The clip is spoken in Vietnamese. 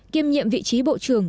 kiêm nhiệm vị trí bộ trưởng